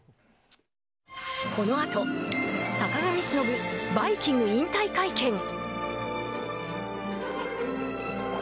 このあと、坂上忍「バイキング」引退会見。